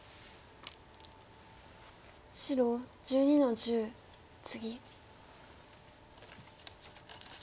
白１２の十ツギ。